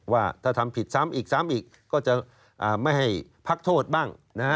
ว่าถ้าทำผิดซ้ำอีกซ้ำอีกก็จะไม่ให้พักโทษบ้าง